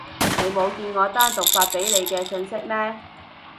你冇見我單獨發畀你嘅訊息咩？